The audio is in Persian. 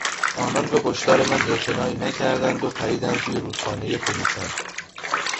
آنان به هشدار مناعتنایی نکردند و پریدند توی رودخانهی خروشان.